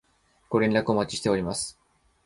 ご連絡お待ちしております